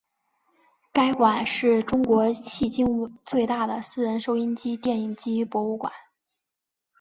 该馆是是中国迄今最大的私人收音机电影机博物馆。